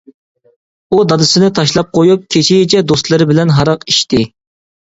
ئۇ دادىسىنى تاشلاپ قويۇپ، كېچىچە دوستلىرى بىلەن ھاراق ئىچتى.